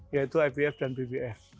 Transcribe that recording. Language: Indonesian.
yaitu ibf dan bbf